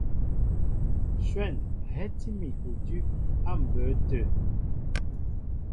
Shwɛ̂n hɛ́tí mi udʉ́ á mbə̌ tə.